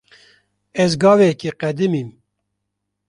Ez gavekê qedimîm.